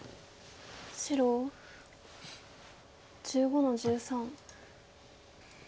白１５の十三。